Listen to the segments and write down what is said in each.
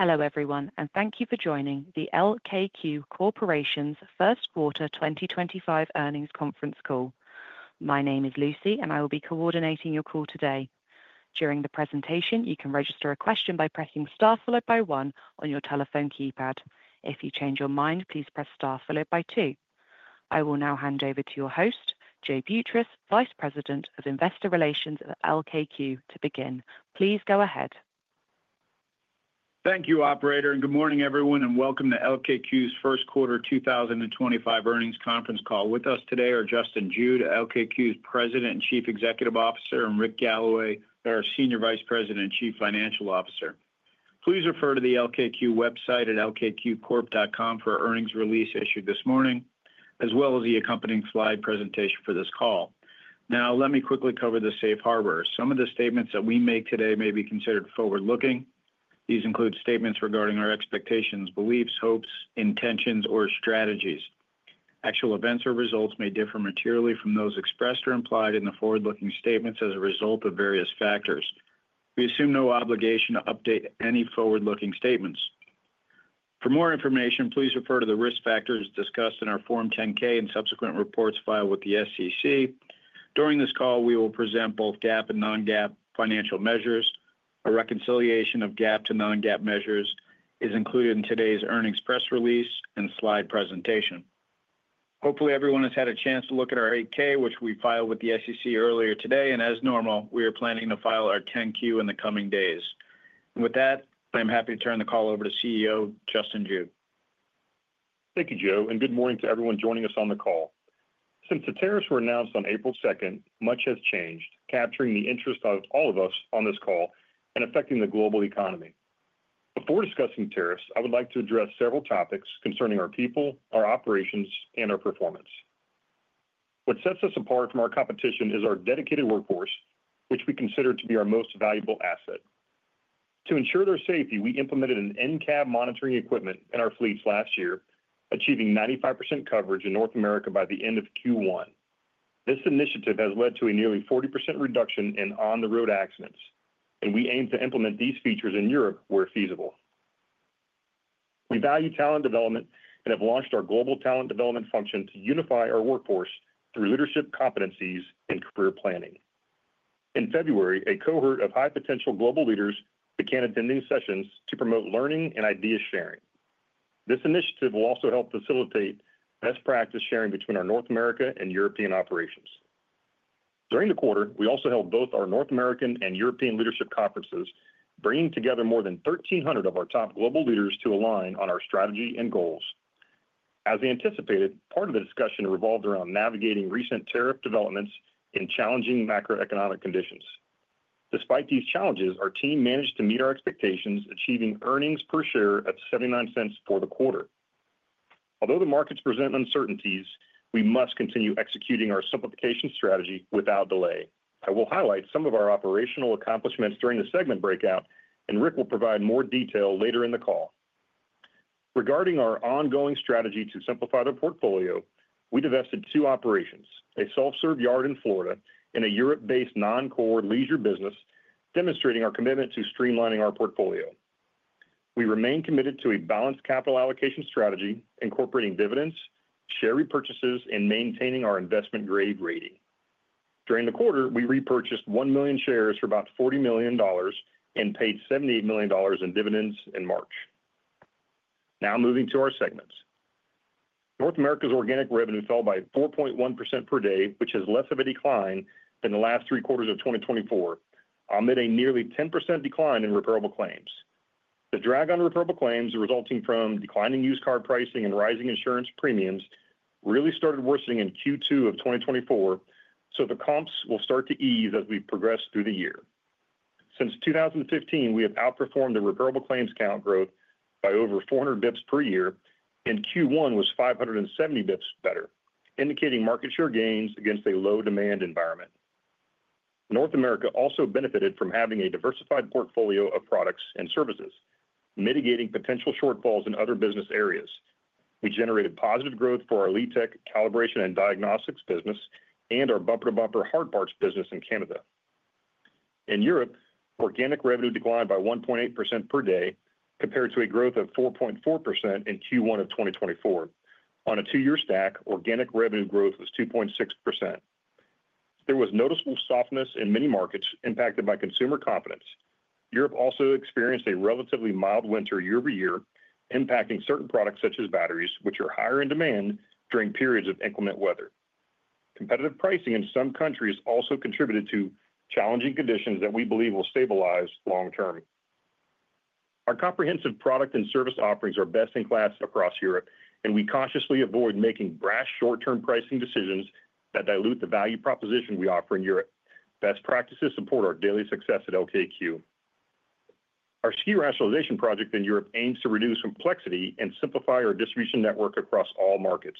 Hello everyone, and thank you for joining the LKQ Corporation's First Quarter 2025 Earnings Conference Call. My name is Lucy, and I will be coordinating your call today. During the presentation, you can register a question by pressing star followed by one on your telephone keypad. If you change your mind, please press star followed by two. I will now hand over to your host, Joe Boutross, Vice President of Investor Relations at LKQ, to begin. Please go ahead. Thank you, Operator, and good morning everyone, and welcome to LKQ's First Quarter 2025 Earnings Conference Call. With us today are Justin Jude, LKQ's President and Chief Executive Officer, and Rick Galloway, our Senior Vice President and Chief Financial Officer. Please refer to the LKQ website at lkqcorp.com for earnings release issued this morning, as well as the accompanying slide presentation for this call. Now, let me quickly cover the safe harbor. Some of the statements that we make today may be considered forward-looking. These include statements regarding our expectations, beliefs, hopes, intentions, or strategies. Actual events or results may differ materially from those expressed or implied in the forward-looking statements as a result of various factors. We assume no obligation to update any forward-looking statements. For more information, please refer to the risk factors discussed in our Form 10-K and subsequent reports filed with the SEC. During this call, we will present both GAAP and non-GAAP financial measures. A reconciliation of GAAP to non-GAAP measures is included in today's earnings press release and slide presentation. Hopefully, everyone has had a chance to look at our 8-K, which we filed with the SEC earlier today, and as normal, we are planning to file our 10-Q in the coming days. With that, I'm happy to turn the call over to CEO Justin Jude. Thank you, Joe, and good morning to everyone joining us on the call. Since the tariffs were announced on April 2, much has changed, capturing the interest of all of us on this call and affecting the global economy. Before discussing tariffs, I would like to address several topics concerning our people, our operations, and our performance. What sets us apart from our competition is our dedicated workforce, which we consider to be our most valuable asset. To ensure their safety, we implemented in-cab monitoring equipment in our fleets last year, achieving 95% coverage in North America by the end of Q1. This initiative has led to a nearly 40% reduction in on-the-road accidents, and we aim to implement these features in Europe where feasible. We value talent development and have launched our global talent development function to unify our workforce through leadership competencies and career planning. In February, a cohort of high-potential global leaders began attending sessions to promote learning and idea sharing. This initiative will also help facilitate best practice sharing between our North America and European operations. During the quarter, we also held both our North American and European leadership conferences, bringing together more than 1,300 of our top global leaders to align on our strategy and goals. As anticipated, part of the discussion revolved around navigating recent tariff developments and challenging macroeconomic conditions. Despite these challenges, our team managed to meet our expectations, achieving earnings per share at $0.79 for the quarter. Although the markets present uncertainties, we must continue executing our simplification strategy without delay. I will highlight some of our operational accomplishments during the segment breakout, and Rick will provide more detail later in the call. Regarding our ongoing strategy to simplify the portfolio, we divested two operations: a self-serve yard in Florida and a Europe-based non-core leisure business, demonstrating our commitment to streamlining our portfolio. We remain committed to a balanced capital allocation strategy, incorporating dividends, share repurchases, and maintaining our investment-grade rating. During the quarter, we repurchased 1 million shares for about $40 million and paid $78 million in dividends in March. Now, moving to our segments. North America's organic revenue fell by 4.1% per day, which is less of a decline than the last three quarters of 2024, amid a nearly 10% decline in repairable claims. The drag on repairable claims, resulting from declining used car pricing and rising insurance premiums, really started worsening in Q2 of 2024, so the comps will start to ease as we progress through the year. Since 2015, we have outperformed the repairable claims count growth by over 400 basis points per year, and Q1 was 570 basis points better, indicating market share gains against a low-demand environment. North America also benefited from having a diversified portfolio of products and services, mitigating potential shortfalls in other business areas. We generated positive growth for our Elitek, calibration, and diagnostics business, and our Bumper to Bumper hard parts business in Canada. In Europe, organic revenue declined by 1.8% per day, compared to a growth of 4.4% in Q1 of 2024. On a two-year stack, organic revenue growth was 2.6%. There was noticeable softness in many markets impacted by consumer confidence. Europe also experienced a relatively mild winter year-over-year, impacting certain products such as batteries, which are higher in demand during periods of inclement weather. Competitive pricing in some countries also contributed to challenging conditions that we believe will stabilize long-term. Our comprehensive product and service offerings are best in class across Europe, and we consciously avoid making brash short-term pricing decisions that dilute the value proposition we offer in Europe. Best practices support our daily success at LKQ. Our SKU rationalization project in Europe aims to reduce complexity and simplify our distribution network across all markets.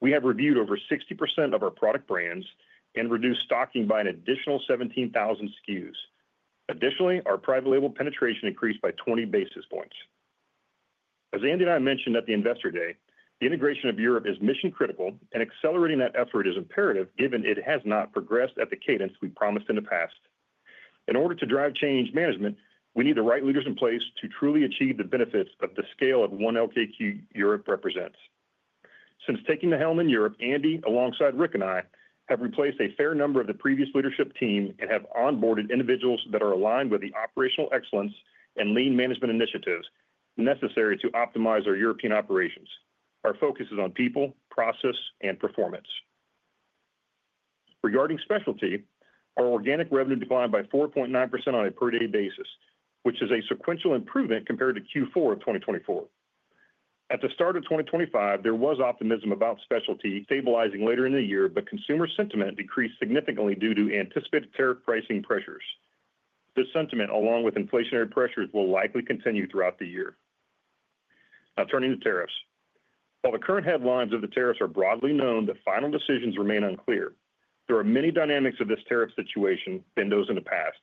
We have reviewed over 60% of our product brands and reduced stocking by an additional 17,000 SKUs. Additionally, our private label penetration increased by 20 basis points. As Andy and I mentioned at the investor day, the integration of Europe is mission-critical, and accelerating that effort is imperative given it has not progressed at the cadence we promised in the past. In order to drive change management, we need the right leaders in place to truly achieve the benefits of the scale of one LKQ Europe represents. Since taking the helm in Europe, Andy, alongside Rick and I, have replaced a fair number of the previous leadership team and have onboarded individuals that are aligned with the operational excellence and lean management initiatives necessary to optimize our European operations. Our focus is on people, process, and performance. Regarding specialty, our organic revenue declined by 4.9% on a per-day basis, which is a sequential improvement compared to Q4 of 2024. At the start of 2025, there was optimism about specialty stabilizing later in the year, but consumer sentiment decreased significantly due to anticipated tariff pricing pressures. This sentiment, along with inflationary pressures, will likely continue throughout the year. Now, turning to tariffs. While the current headlines of the tariffs are broadly known, the final decisions remain unclear. There are many dynamics of this tariff situation than those in the past.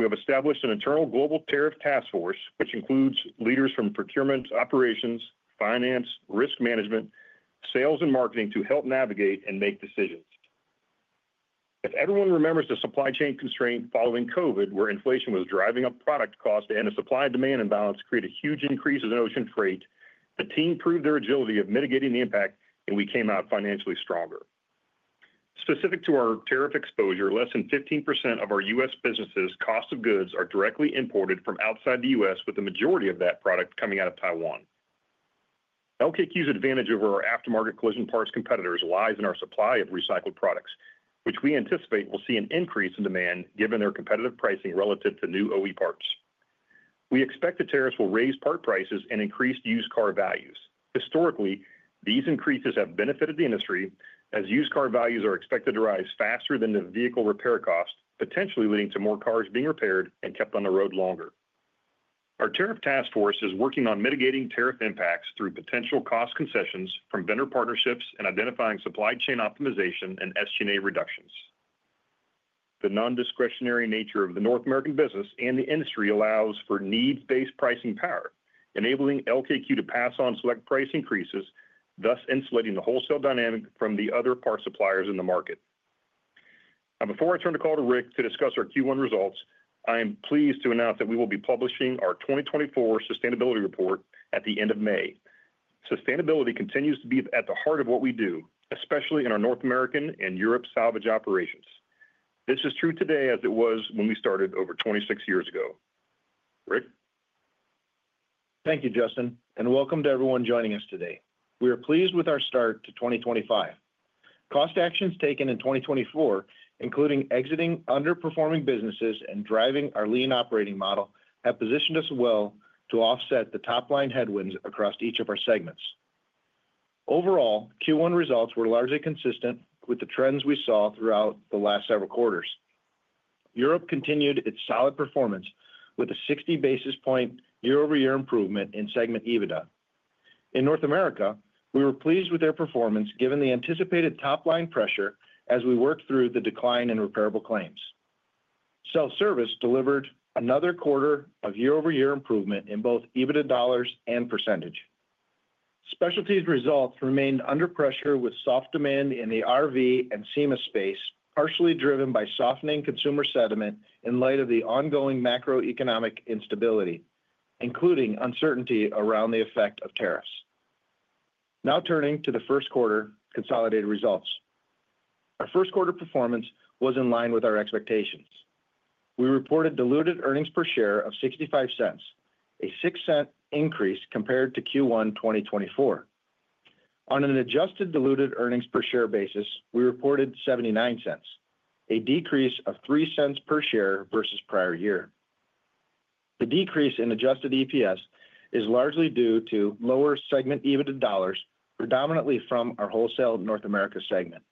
We have established an internal global tariff task force, which includes leaders from procurement, operations, finance, risk management, sales, and marketing to help navigate and make decisions. If everyone remembers the supply chain constraint following COVID, where inflation was driving up product costs and the supply-demand imbalance created a huge increase in ocean freight, the team proved their agility of mitigating the impact, and we came out financially stronger. Specific to our tariff exposure, less than 15% of our U.S. businesses' cost of goods are directly imported from outside the U.S., with the majority of that product coming out of Taiwan. LKQ's advantage over our aftermarket collision parts competitors lies in our supply of recycled products, which we anticipate will see an increase in demand given their competitive pricing relative to new OE parts. We expect the tariffs will raise part prices and increase used car values. Historically, these increases have benefited the industry, as used car values are expected to rise faster than the vehicle repair cost, potentially leading to more cars being repaired and kept on the road longer. Our tariff task force is working on mitigating tariff impacts through potential cost concessions from vendor partnerships and identifying supply chain optimization and SG&A reductions. The non-discretionary nature of the North American business and the industry allows for needs-based pricing power, enabling LKQ to pass on select price increases, thus insulating the wholesale dynamic from the other parts suppliers in the market. Now, before I turn the call to Rick to discuss our Q1 results, I am pleased to announce that we will be publishing our 2024 sustainability report at the end of May. Sustainability continues to be at the heart of what we do, especially in our North American and Europe salvage operations. This is true today as it was when we started over 26 years ago. Rick? Thank you, Justin, and welcome to everyone joining us today. We are pleased with our start to 2025. Cost actions taken in 2024, including exiting underperforming businesses and driving our lean operating model, have positioned us well to offset the top-line headwinds across each of our segments. Overall, Q1 results were largely consistent with the trends we saw throughout the last several quarters. Europe continued its solid performance with a 60 basis point year-over-year improvement in segment EBITDA. In North America, we were pleased with their performance given the anticipated top-line pressure as we worked through the decline in repairable claims. Self-service delivered another quarter of year-over-year improvement in both EBITDA dollars and percentage. Specialties' results remained under pressure with soft demand in the RV and SEMA space, partially driven by softening consumer sentiment in light of the ongoing macroeconomic instability, including uncertainty around the effect of tariffs. Now turning to the first quarter consolidated results. Our first quarter performance was in line with our expectations. We reported diluted earnings per share of $0.65, a $0.06 increase compared to Q1 2024. On an adjusted diluted earnings per share basis, we reported $0.79, a decrease of $0.03 per share versus prior year. The decrease in adjusted EPS is largely due to lower segment EBITDA dollars, predominantly from our wholesale North America segment.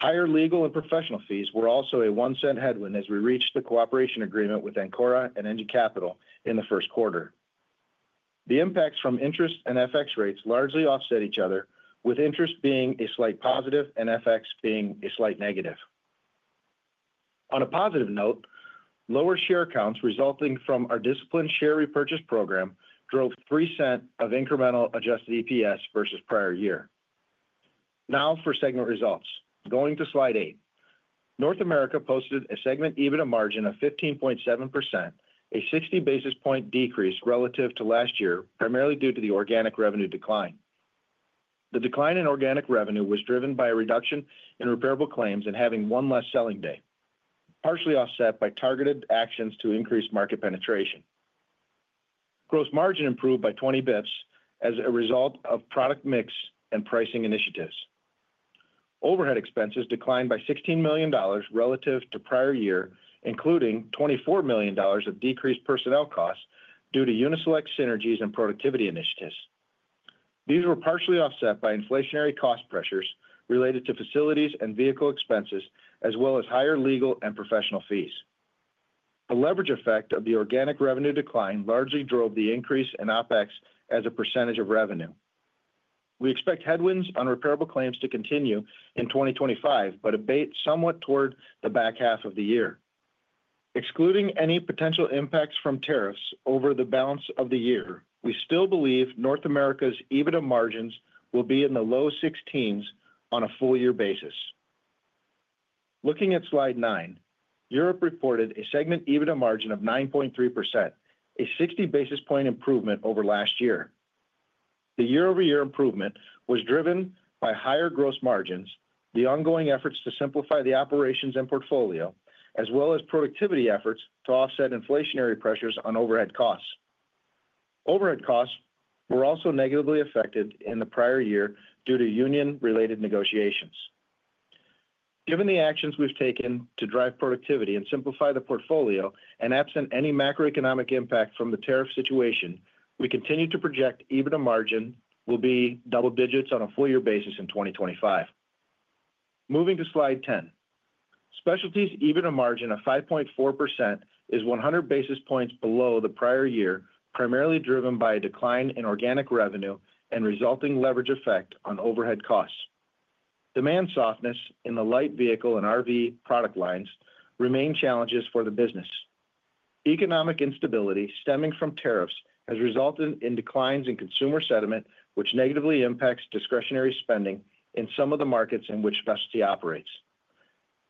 Higher legal and professional fees were also a $0.01 headwind as we reached the cooperation agreement with Ancora and Engine Capital in the first quarter. The impacts from interest and FX rates largely offset each other, with interest being a slight positive and FX being a slight negative. On a positive note, lower share counts resulting from our disciplined share repurchase program drove $0.03 of incremental adjusted EPS versus prior year. Now for segment results. Going to slide 8, North America posted a segment EBITDA margin of 15.7%, a 60 basis point decrease relative to last year, primarily due to the organic revenue decline. The decline in organic revenue was driven by a reduction in repairable claims and having one less selling day, partially offset by targeted actions to increase market penetration. Gross margin improved by 20 basis points as a result of product mix and pricing initiatives. Overhead expenses declined by $16 million relative to prior year, including $24 million of decreased personnel costs due to Uni-Select synergies and productivity initiatives. These were partially offset by inflationary cost pressures related to facilities and vehicle expenses, as well as higher legal and professional fees. The leverage effect of the organic revenue decline largely drove the increase in OPEX as a percentage of revenue. We expect headwinds on repairable claims to continue in 2025, but abate somewhat toward the back half of the year. Excluding any potential impacts from tariffs over the balance of the year, we still believe North America's EBITDA margins will be in the low 16s on a full-year basis. Looking at slide 9, Europe reported a segment EBITDA margin of 9.3%, a 60 basis point improvement over last year. The year-over-year improvement was driven by higher gross margins, the ongoing efforts to simplify the operations and portfolio, as well as productivity efforts to offset inflationary pressures on overhead costs. Overhead costs were also negatively affected in the prior year due to union-related negotiations. Given the actions we have taken to drive productivity and simplify the portfolio, and absent any macroeconomic impact from the tariff situation, we continue to project EBITDA margin will be double digits on a full-year basis in 2025. Moving to slide 10, specialties' EBITDA margin of 5.4% is 100 basis points below the prior year, primarily driven by a decline in organic revenue and resulting leverage effect on overhead costs. Demand softness in the light vehicle and RV product lines remain challenges for the business. Economic instability stemming from tariffs has resulted in declines in consumer sentiment, which negatively impacts discretionary spending in some of the markets in which specialty operates.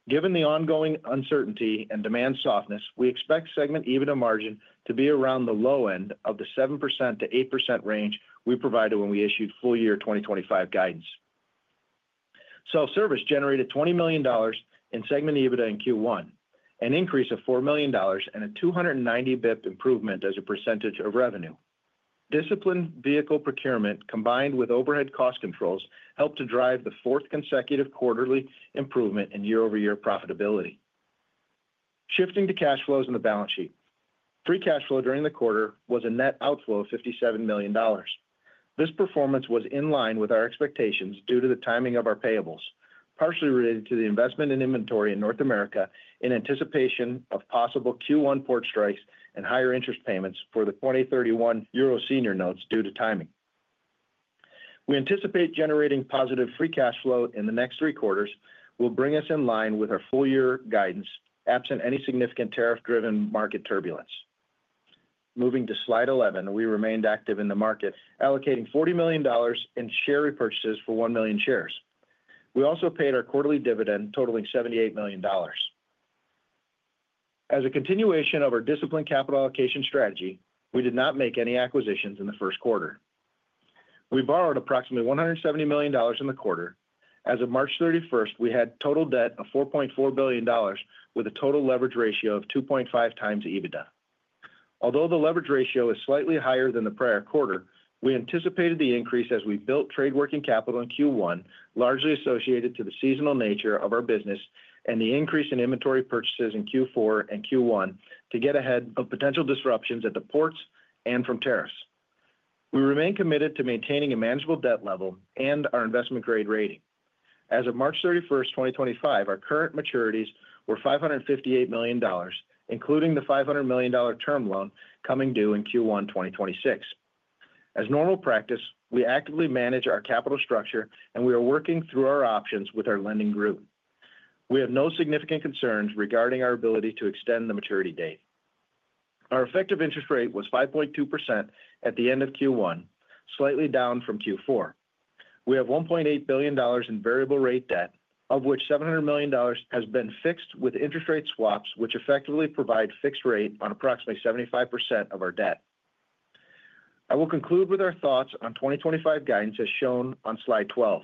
Given the ongoing uncertainty and demand softness, we expect segment EBITDA margin to be around the low end of the 7%-8% range we provided when we issued full-year 2025 guidance. Self-service generated $20 million in segment EBITDA in Q1, an increase of $4 million and a 290 basis point improvement as a percentage of revenue. Disciplined vehicle procurement, combined with overhead cost controls, helped to drive the fourth consecutive quarterly improvement in year-over-year profitability. Shifting to cash flows in the balance sheet, free cash flow during the quarter was a net outflow of $57 million. This performance was in line with our expectations due to the timing of our payables, partially related to the investment in inventory in North America in anticipation of possible Q1 port strikes and higher interest payments for the 2031 Euro Senior notes due to timing. We anticipate generating positive free cash flow in the next three quarters, which will bring us in line with our full-year guidance, absent any significant tariff-driven market turbulence. Moving to slide 11, we remained active in the market, allocating $40 million in share repurchases for one million shares. We also paid our quarterly dividend, totaling $78 million. As a continuation of our disciplined capital allocation strategy, we did not make any acquisitions in the first quarter. We borrowed approximately $170 million in the quarter. As of March 31, we had total debt of $4.4 billion, with a total leverage ratio of 2.5x EBITDA. Although the leverage ratio is slightly higher than the prior quarter, we anticipated the increase as we built trade working capital in Q1, largely associated to the seasonal nature of our business and the increase in inventory purchases in Q4 and Q1 to get ahead of potential disruptions at the ports and from tariffs. We remain committed to maintaining a manageable debt level and our investment-grade rating. As of March 31, 2025, our current maturities were $558 million, including the $500 million term loan coming due in Q1 2026. As normal practice, we actively manage our capital structure, and we are working through our options with our lending group. We have no significant concerns regarding our ability to extend the maturity date. Our effective interest rate was 5.2% at the end of Q1, slightly down from Q4. We have $1.8 billion in variable-rate debt, of which $700 million has been fixed with interest rate swaps, which effectively provide fixed rate on approximately 75% of our debt. I will conclude with our thoughts on 2025 guidance as shown on slide 12.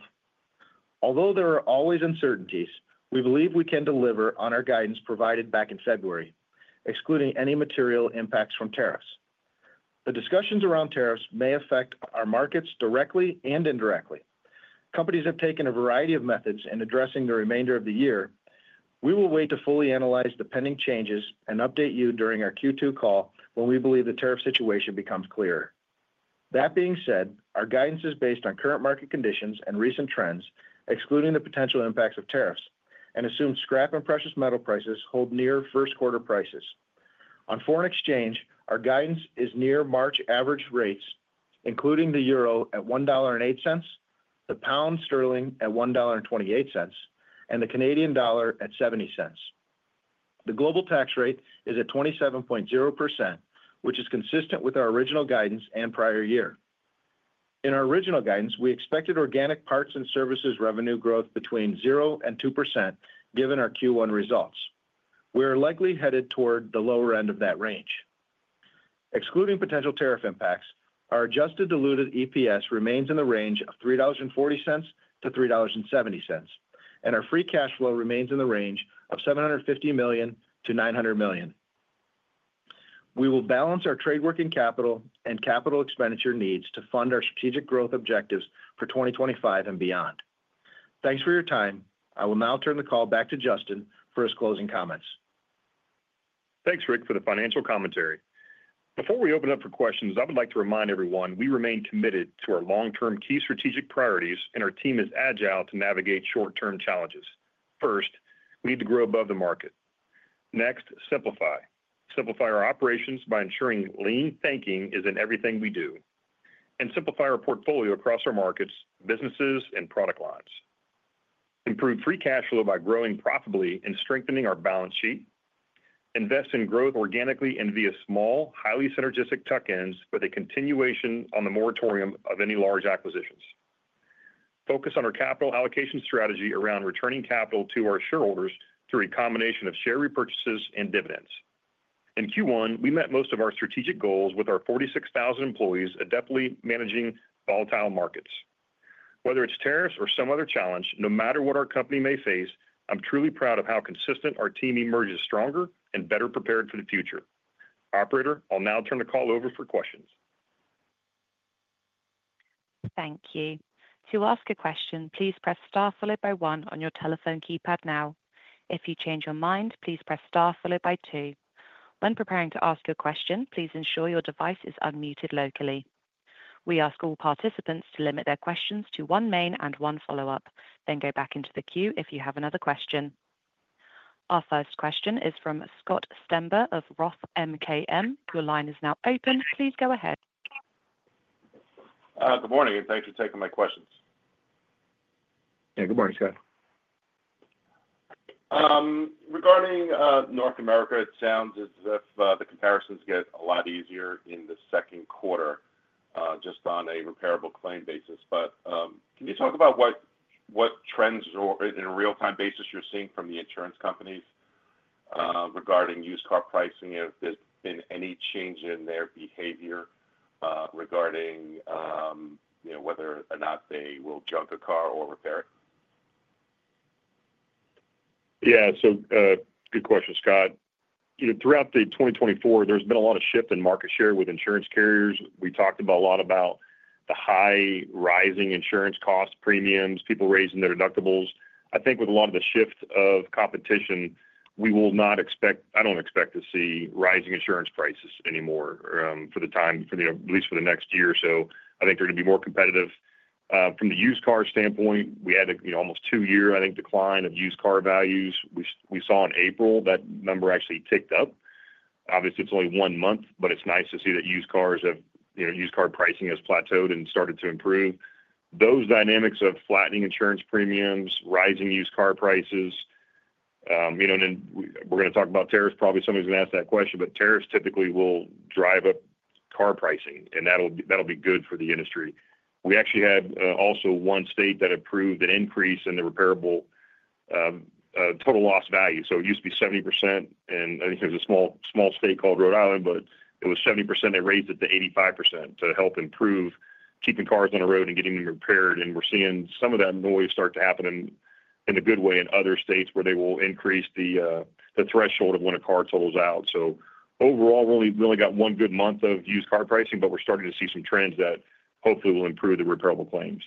Although there are always uncertainties, we believe we can deliver on our guidance provided back in February, excluding any material impacts from tariffs. The discussions around tariffs may affect our markets directly and indirectly. Companies have taken a variety of methods in addressing the remainder of the year. We will wait to fully analyze the pending changes and update you during our Q2 call when we believe the tariff situation becomes clearer. That being said, our guidance is based on current market conditions and recent trends, excluding the potential impacts of tariffs, and assumes scrap and precious metal prices hold near first-quarter prices. On foreign exchange, our guidance is near March average rates, including the euro at EUR 1.08, the pound sterling at GBP 1.28, and the Canadian dollar at 0.70. The global tax rate is at 27.0%, which is consistent with our original guidance and prior year. In our original guidance, we expected organic parts and services revenue growth between 0% and 2% given our Q1 results. We are likely headed toward the lower end of that range. Excluding potential tariff impacts, our adjusted diluted EPS remains in the range of $3.40-$3.70, and our free cash flow remains in the range of $750 million-$900 million. We will balance our trade working capital and capital expenditure needs to fund our strategic growth objectives for 2025 and beyond. Thanks for your time. I will now turn the call back to Justin for his closing comments. Thanks, Rick, for the financial commentary. Before we open up for questions, I would like to remind everyone we remain committed to our long-term key strategic priorities, and our team is agile to navigate short-term challenges. First, we need to grow above the market. Next, simplify. Simplify our operations by ensuring lean thinking is in everything we do, and simplify our portfolio across our markets, businesses, and product lines. Improve free cash flow by growing profitably and strengthening our balance sheet. Invest in growth organically and via small, highly synergistic tuck-ins with a continuation on the moratorium of any large acquisitions. Focus on our capital allocation strategy around returning capital to our shareholders through a combination of share repurchases and dividends. In Q1, we met most of our strategic goals with our 46,000 employees adeptly managing volatile markets. Whether it's tariffs or some other challenge, no matter what our company may face, I'm truly proud of how consistent our team emerges stronger and better prepared for the future. Operator, I'll now turn the call over for questions. Thank you. To ask a question, please press star followed by one on your telephone keypad now. If you change your mind, please press star followed by two. When preparing to ask your question, please ensure your device is unmuted locally. We ask all participants to limit their questions to one main and one follow-up, then go back into the queue if you have another question. Our first question is from Scott Stember of ROTH MKM. Your line is now open. Please go ahead. Good morning, and thanks for taking my questions. Yeah, good morning, Scott. Regarding North America, it sounds as if the comparisons get a lot easier in the second quarter, just on a repairable claim basis. Can you talk about what trends or, in a real-time basis, you're seeing from the insurance companies regarding used car pricing? Has there been any change in their behavior regarding whether or not they will junk a car or repair it? Yeah, good question, Scott. Throughout 2024, there's been a lot of shift in market share with insurance carriers. We talked a lot about the high rising insurance cost premiums, people raising their deductibles. I think with a lot of the shift of competition, we will not expect—I don't expect to see rising insurance prices anymore for the time, at least for the next year or so. I think they're going to be more competitive. From the used car standpoint, we had almost two-year, I think, decline of used car values. We saw in April that number actually ticked up. Obviously, it's only one month, but it's nice to see that used cars have—used car pricing has plateaued and started to improve. Those dynamics of flattening insurance premiums, rising used car prices, and then we're going to talk about tariffs. Probably somebody's going to ask that question, but tariffs typically will drive up car pricing, and that'll be good for the industry. We actually had also one state that approved an increase in the repairable total loss value. It used to be 70%, and I think there's a small state called Rhode Island, but it was 70%. They raised it to 85% to help improve keeping cars on the road and getting them repaired. We're seeing some of that noise start to happen in a good way in other states where they will increase the threshold of when a car totals out. Overall, we only got one good month of used car pricing, but we're starting to see some trends that hopefully will improve the repairable claims.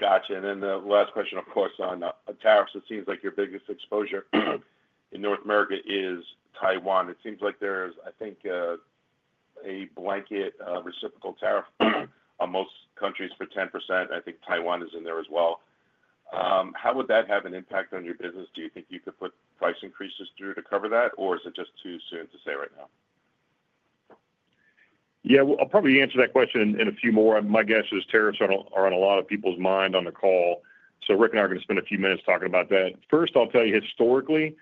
Gotcha. Then the last question, of course, on tariffs. It seems like your biggest exposure in North America is Taiwan. It seems like there is, I think, a blanket reciprocal tariff on most countries for 10%. I think Taiwan is in there as well. How would that have an impact on your business? Do you think you could put price increases through to cover that, or is it just too soon to say right now? Yeah, I’ll probably answer that question in a few more. My guess is tariffs are on a lot of people's mind on the call. Rick and I are going to spend a few minutes talking about that. First, I'll tell you historically,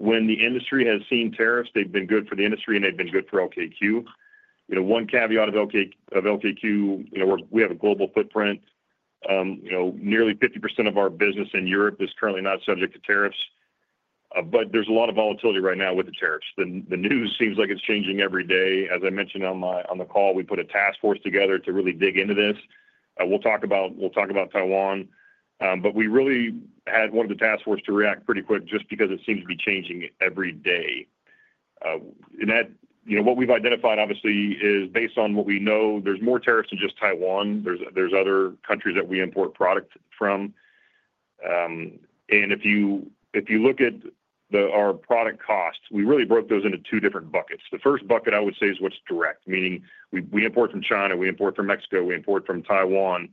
when the industry has seen tariffs, they've been good for the industry, and they've been good for LKQ. One caveat of LKQ, we have a global footprint. Nearly 50% of our business in Europe is currently not subject to tariffs, but there's a lot of volatility right now with the tariffs. The news seems like it's changing every day. As I mentioned on the call, we put a task force together to really dig into this. We'll talk about Taiwan, but we really had wanted the task force to react pretty quick just because it seems to be changing every day. What we've identified, obviously, is based on what we know, there's more tariffs than just Taiwan. There are other countries that we import product from. If you look at our product costs, we really broke those into two different buckets. The first bucket, I would say, is what's direct, meaning we import from China, we import from Mexico, we import from Taiwan.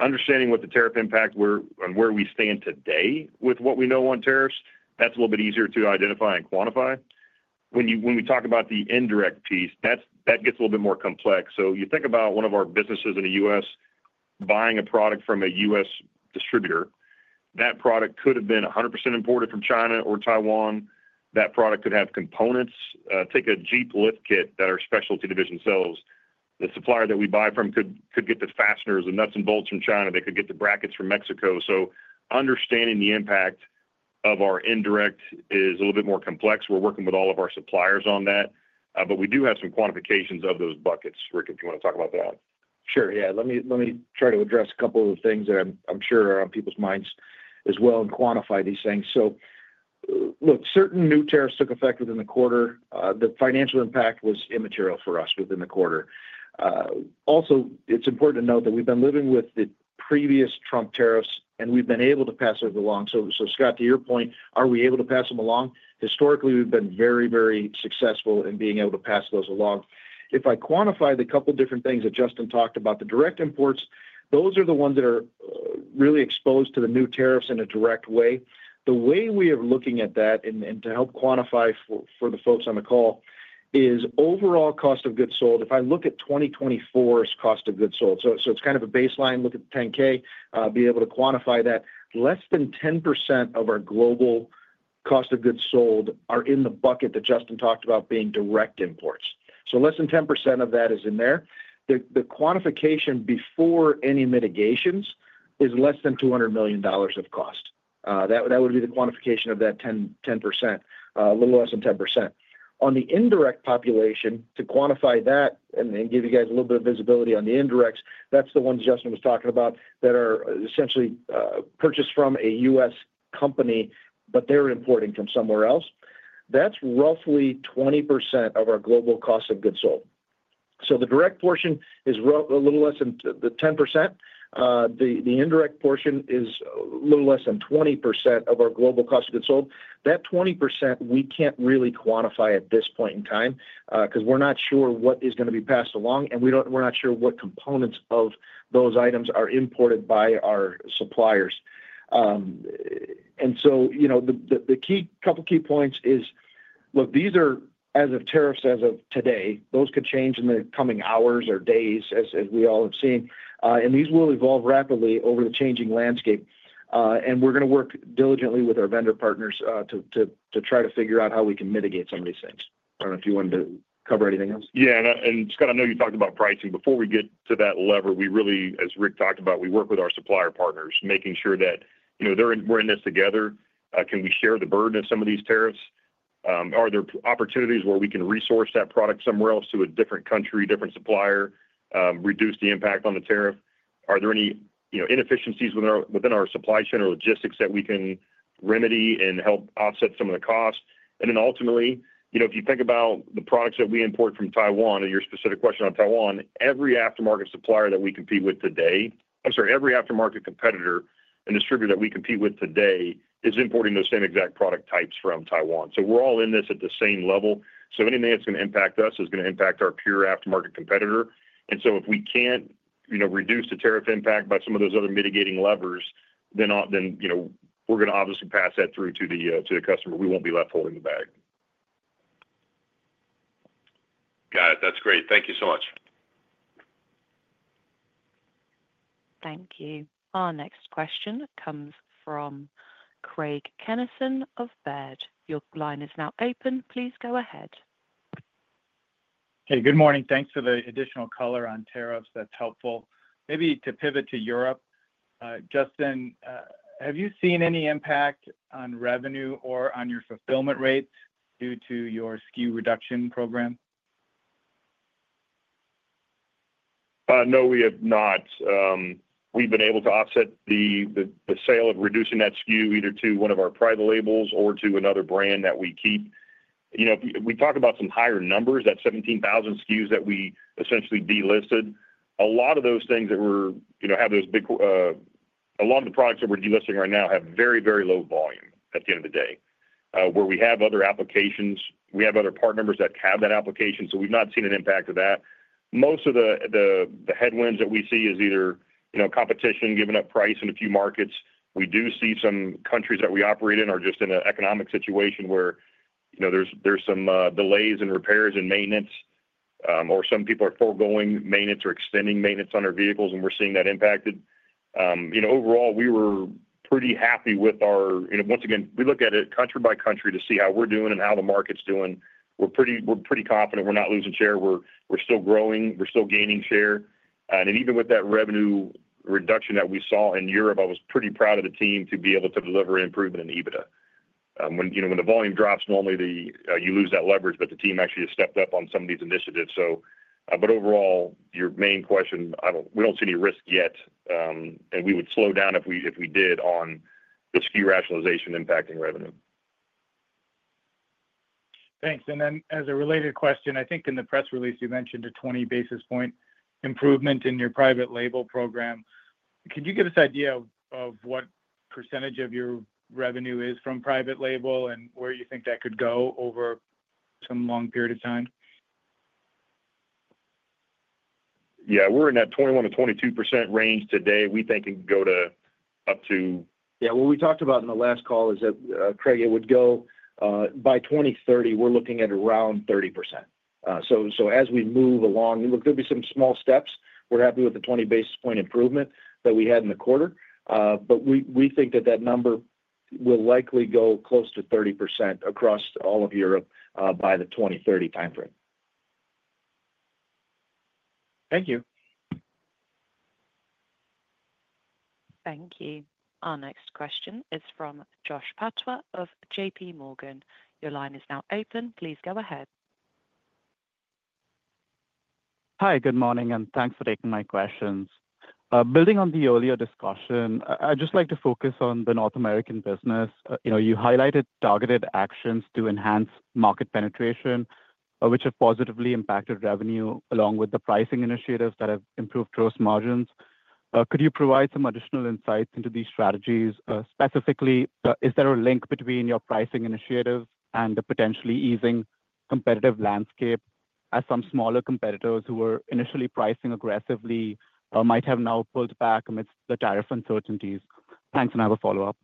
Understanding what the tariff impact is and where we stand today with what we know on tariffs, that's a little bit easier to identify and quantify. When we talk about the indirect piece, that gets a little bit more complex. You think about one of our businesses in the U.S. buying a product from a U.S. distributor. That product could have been 100% imported from China or Taiwan. That product could have components. Take a Jeep lift kit that our specialty division sells. The supplier that we buy from could get the fasteners and nuts and bolts from China. They could get the brackets from Mexico. Understanding the impact of our indirect is a little bit more complex. We are working with all of our suppliers on that, but we do have some quantifications of those buckets. Rick, if you want to talk about that. Sure. Yeah. Let me try to address a couple of things that I am sure are on people's minds as well and quantify these things. Look, certain new tariffs took effect within the quarter. The financial impact was immaterial for us within the quarter. Also, it is important to note that we have been living with the previous Trump tariffs, and we have been able to pass those along. Scott, to your point, are we able to pass them along? Historically, we have been very, very successful in being able to pass those along. If I quantify the couple of different things that Justin talked about, the direct imports, those are the ones that are really exposed to the new tariffs in a direct way. The way we are looking at that, and to help quantify for the folks on the call, is overall cost of goods sold. If I look at 2024's cost of goods sold, so it's kind of a baseline, look at the 10-K, be able to quantify that, less than 10% of our global cost of goods sold are in the bucket that Justin talked about being direct imports. Less than 10% of that is in there. The quantification before any mitigations is less than $200 million of cost. That would be the quantification of that 10%, a little less than 10%. On the indirect population, to quantify that and give you guys a little bit of visibility on the indirects, that's the ones Justin was talking about that are essentially purchased from a U.S. company, but they're importing from somewhere else. That's roughly 20% of our global cost of goods sold. The direct portion is a little less than the 10%. The indirect portion is a little less than 20% of our global cost of goods sold. That 20%, we can't really quantify at this point in time because we're not sure what is going to be passed along, and we're not sure what components of those items are imported by our suppliers. The couple of key points is, look, these are as of tariffs as of today. Those could change in the coming hours or days, as we all have seen, and these will evolve rapidly over the changing landscape. We're going to work diligently with our vendor partners to try to figure out how we can mitigate some of these things. I don't know if you wanted to cover anything else. Yeah. Scott, I know you talked about pricing. Before we get to that lever, we really, as Rick talked about, we work with our supplier partners, making sure that we're in this together. Can we share the burden of some of these tariffs? Are there opportunities where we can resource that product somewhere else to a different country, different supplier, reduce the impact on the tariff? Are there any inefficiencies within our supply chain or logistics that we can remedy and help offset some of the cost? Ultimately, if you think about the products that we import from Taiwan, and your specific question on Taiwan, every aftermarket competitor and distributor that we compete with today is importing those same exact product types from Taiwan. We are all in this at the same level. Anything that's going to impact us is going to impact our pure aftermarket competitor. If we can't reduce the tariff impact by some of those other mitigating levers, then we're going to obviously pass that through to the customer. We won't be left holding the bag. Got it. That's great. Thank you so much. Thank you. Our next question comes from Craig Kennison of Robert W. Baird. Your line is now open. Please go ahead. Hey, good morning. Thanks for the additional color on tariffs. That's helpful. Maybe to pivot to Europe. Justin, have you seen any impact on revenue or on your fulfillment rates due to your SKU reduction program? No, we have not. We've been able to offset the sale of reducing that SKU either to one of our private labels or to another brand that we keep. We talk about some higher numbers, that 17,000 SKUs that we essentially delisted. A lot of those things that we have, those big—a lot of the products that we're delisting right now have very, very low volume at the end of the day. Where we have other applications, we have other part numbers that have that application, so we've not seen an impact of that. Most of the headwinds that we see is either competition giving up price in a few markets. We do see some countries that we operate in are just in an economic situation where there's some delays in repairs and maintenance, or some people are forgoing maintenance or extending maintenance on their vehicles, and we're seeing that impacted. Overall, we were pretty happy with our—once again, we look at it country by country to see how we're doing and how the market's doing. We're pretty confident we're not losing share. We're still growing. We're still gaining share. Even with that revenue reduction that we saw in Europe, I was pretty proud of the team to be able to deliver improvement in EBITDA. When the volume drops, normally you lose that leverage, but the team actually has stepped up on some of these initiatives. Overall, your main question, we don't see any risk yet, and we would slow down if we did on the SKU rationalization impacting revenue. Thanks. As a related question, I think in the press release you mentioned a 20 basis point improvement in your private label program. Could you give us an idea of what percentage of your revenue is from private label and where you think that could go over some long period of time? Yeah, we're in that 21%-22% range today. We think it can go to up to. Yeah. What we talked about in the last call is that, Craig, it would go by 2030, we're looking at around 30%. As we move along, there'll be some small steps. We're happy with the 20 basis point improvement that we had in the quarter, but we think that that number will likely go close to 30% across all of Europe by the 2030 timeframe. Thank you. Thank you. Our next question is from Jash Patwa of J.P. Morgan. Your line is now open. Please go ahead. Hi, good morning, and thanks for taking my questions. Building on the earlier discussion, I'd just like to focus on the North American business. You highlighted targeted actions to enhance market penetration, which have positively impacted revenue along with the pricing initiatives that have improved gross margins. Could you provide some additional insights into these strategies? Specifically, is there a link between your pricing initiatives and the potentially easing competitive landscape as some smaller competitors who were initially pricing aggressively might have now pulled back amidst the tariff uncertainties? Thanks, and I have a follow-up.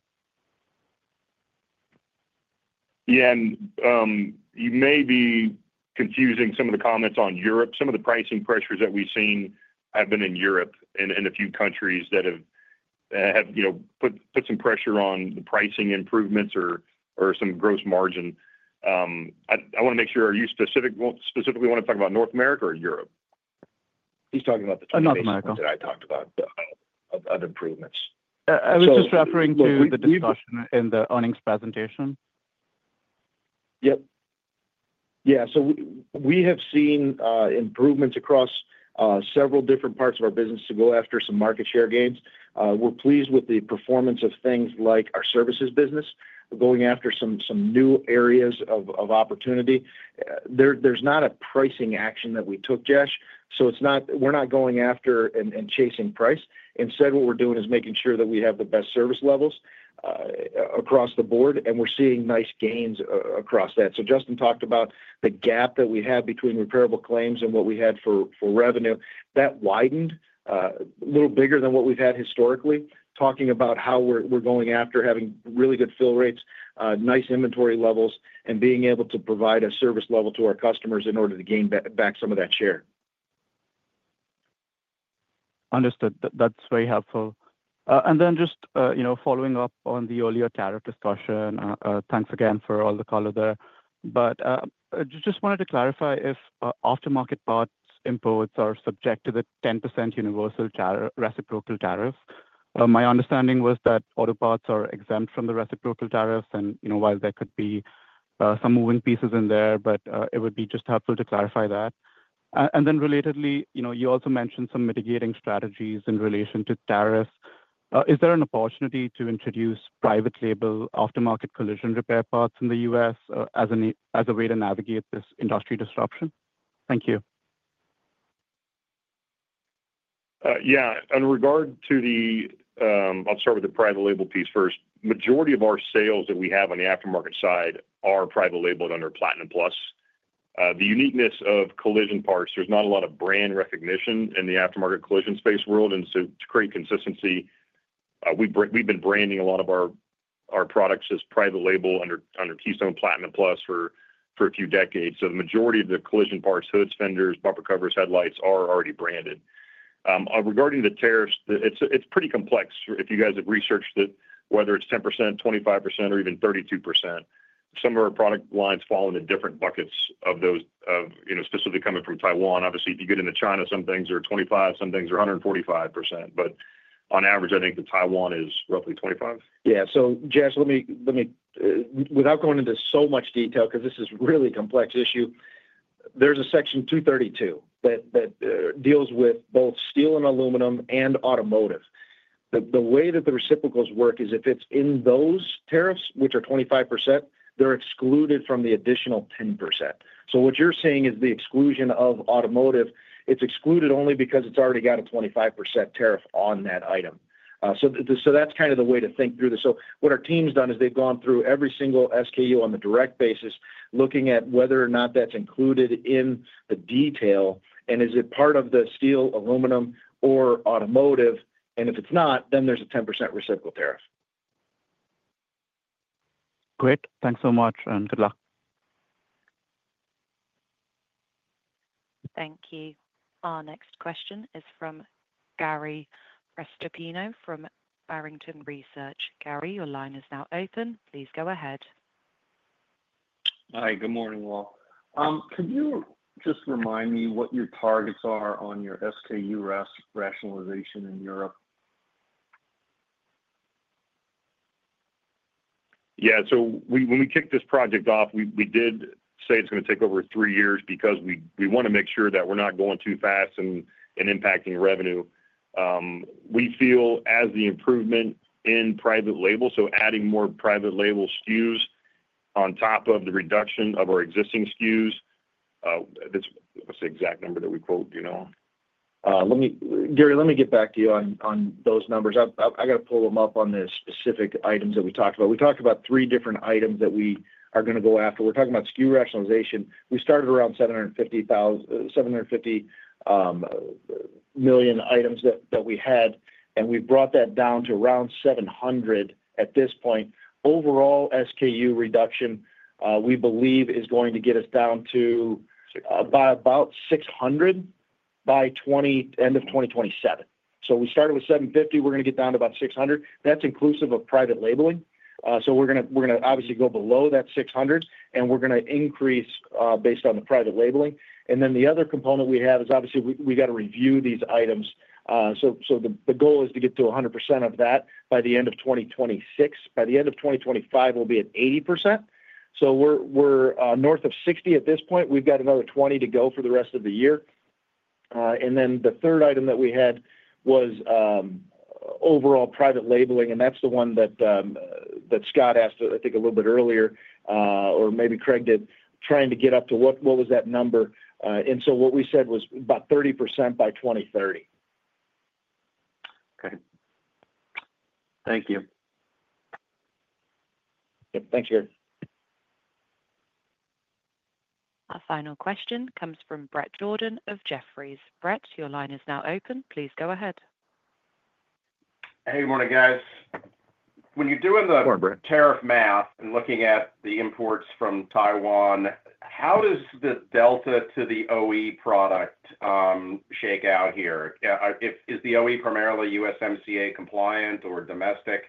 Yeah. You may be confusing some of the comments on Europe. Some of the pricing pressures that we've seen have been in Europe and a few countries that have put some pressure on the pricing improvements or some gross margin. I want to make sure, are you specifically wanting to talk about North America or Europe? He's talking about the 20 basis points that I talked about of improvements. I was just referring to the discussion in the earnings presentation. Yep. Yeah. We have seen improvements across several different parts of our business to go after some market share gains. We're pleased with the performance of things like our services business, going after some new areas of opportunity. There's not a pricing action that we took, Jash. We're not going after and chasing price. Instead, what we're doing is making sure that we have the best service levels across the board, and we're seeing nice gains across that. Justin talked about the gap that we had between repairable claims and what we had for revenue. That widened a little bigger than what we've had historically, talking about how we're going after having really good fill rates, nice inventory levels, and being able to provide a service level to our customers in order to gain back some of that share. Understood. That's very helpful. Just following up on the earlier tariff discussion, thanks again for all the color there. I just wanted to clarify if aftermarket parts imports are subject to the 10% universal reciprocal tariff. My understanding was that auto parts are exempt from the reciprocal tariffs, and while there could be some moving pieces in there, it would be just helpful to clarify that. Relatedly, you also mentioned some mitigating strategies in relation to tariffs. Is there an opportunity to introduce private label aftermarket collision repair parts in the U.S. as a way to navigate this industry disruption? Thank you. Yeah. In regard to the—I will start with the private label piece first. The majority of our sales that we have on the aftermarket side are private label and under Platinum Plus. The uniqueness of collision parts, there is not a lot of brand recognition in the aftermarket collision space world. To create consistency, we have been branding a lot of our products as private label under Keystone Platinum Plus for a few decades. The majority of the collision parts, hoods, fenders, bumper covers, headlights are already branded. Regarding the tariffs, it is pretty complex. If you guys have researched it, whether it is 10%, 25%, or even 32%, some of our product lines fall into different buckets of those, specifically coming from Taiwan. Obviously, if you get into China, some things are 25%, some things are 145%. On average, I think that Taiwan is roughly 25%. Yeah. Jash, without going into so much detail because this is a really complex issue, there's a Section 232 that deals with both steel and aluminum and automotive. The way that the reciprocals work is if it's in those tariffs, which are 25%, they're excluded from the additional 10%. What you're seeing is the exclusion of automotive. It's excluded only because it's already got a 25% tariff on that item. That's kind of the way to think through this. What our team's done is they've gone through every single SKU on the direct basis, looking at whether or not that's included in the detail, and is it part of the steel, aluminum, or automotive? If it's not, then there's a 10% reciprocal tariff. Great. Thanks so much, and good luck. Thank you. Our next question is from Gary Prestopino from Barrington Research. Gary, your line is now open. Please go ahead. Hi, good morning, all. Could you just remind me what your targets are on your SKU rationalization in Europe? Yeah. When we kicked this project off, we did say it's going to take over three years because we want to make sure that we're not going too fast and impacting revenue. We feel as the improvement in private label, so adding more private label SKUs on top of the reduction of our existing SKUs—that's the exact number that we quote. Gary, let me get back to you on those numbers. I got to pull them up on the specific items that we talked about. We talked about three different items that we are going to go after. We're talking about SKU rationalization. We started around 750 million items that we had, and we've brought that down to around 700 at this point. Overall SKU reduction, we believe, is going to get us down to about 600 by end of 2027. We started with 750. We're going to get down to about 600. That is inclusive of private labeling. We are going to obviously go below that 600, and we are going to increase based on the private labeling. The other component we have is obviously we got to review these items. The goal is to get to 100% of that by the end of 2026. By the end of 2025, we'll be at 80%. We're north of 60% at this point. We've got another 20% to go for the rest of the year. The third item that we had was overall private labeling, and that's the one that Scott asked, I think, a little bit earlier, or maybe Craig did, trying to get up to what was that number. What we said was about 30% by 2030. Okay. Thank you. Yep. Thanks, Gary. Our final question comes from Bret Jordan of Jefferies. Bret, your line is now open. Please go ahead. Hey, good morning, guys. When you're doing the tariff math and looking at the imports from Taiwan, how does the delta to the OE product shake out here? Is the OE primarily USMCA compliant or domestic?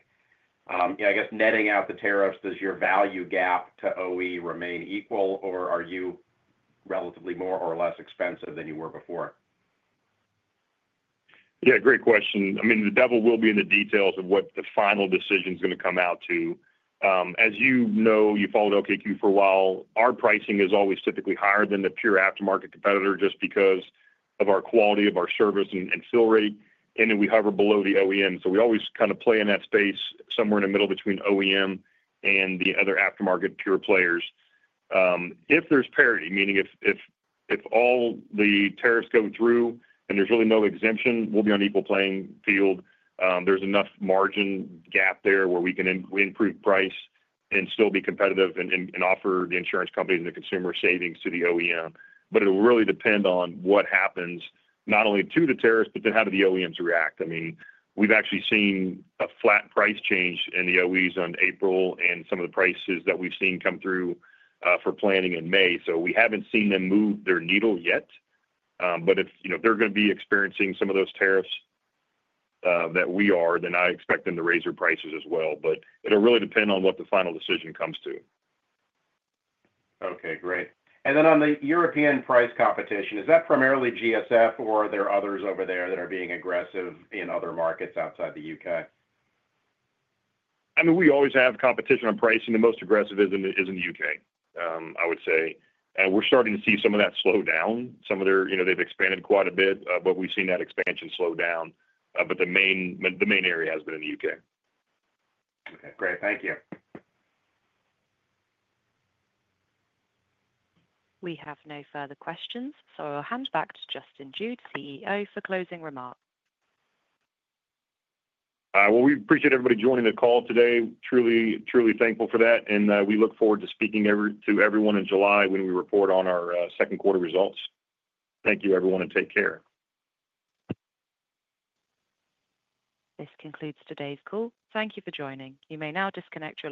I guess netting out the tariffs, does your value gap to OE remain equal, or are you relatively more or less expensive than you were before? Yeah, great question. I mean, the devil will be in the details of what the final decision is going to come out to. As you know, you followed LKQ for a while. Our pricing is always typically higher than the pure aftermarket competitor just because of our quality, of our service and fill rate, and then we hover below the OEM. We always kind of play in that space somewhere in the middle between OEM and the other aftermarket pure players. If there's parity, meaning if all the tariffs go through and there's really no exemption, we'll be on equal playing field. There's enough margin gap there where we can improve price and still be competitive and offer the insurance companies and the consumer savings to the OEM. It will really depend on what happens, not only to the tariffs, but then how do the OEMs react? I mean, we've actually seen a flat price change in the OEs on April and some of the prices that we've seen come through for planning in May. We haven't seen them move their needle yet. If they're going to be experiencing some of those tariffs that we are, then I expect them to raise their prices as well. It'll really depend on what the final decision comes to. Okay. Great. On the European price competition, is that primarily GSF, or are there others over there that are being aggressive in other markets outside the U.K.? I mean, we always have competition on pricing. The most aggressive is in the U.K., I would say. We are starting to see some of that slow down. Some of their—they have expanded quite a bit, but we have seen that expansion slow down. The main area has been in the U.K. Okay. Great. Thank you. We have no further questions. I will hand back to Justin Jude, CEO, for closing remarks. We appreciate everybody joining the call today. Truly, truly thankful for that. We look forward to speaking to everyone in July when we report on our second quarter results. Thank you, everyone, and take care. This concludes today's call. Thank you for joining. You may now disconnect.